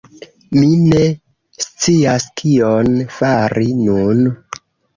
Mi ne scias kion fari nun.